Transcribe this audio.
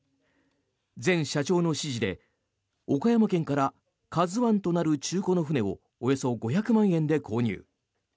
前社長の指示で、岡山県から「ＫＡＺＵ１」となる中古の船をおよそ５００万円で購入。